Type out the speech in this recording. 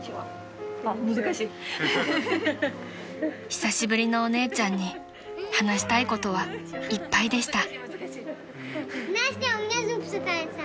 ［久しぶりのお姉ちゃんに話したいことはいっぱいでした］